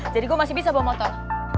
jadi gue masih bisa bawa motor